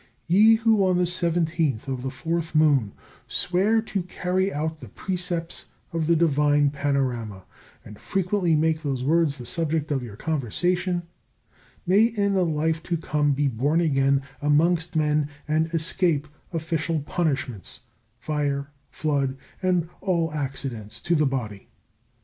Ye who on the 17th of the 4th moon swear to carry out the precepts of the Divine Panorama, and frequently make these words the subject of your conversation, may in the life to come be born again amongst men and escape official punishments, fire, flood, and all accidents to the body.